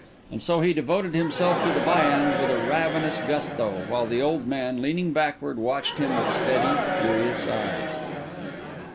And so he devoted himself to the viands with a ravenous gusto, while the old man, leaning backward, watched him with steady, curious eyes.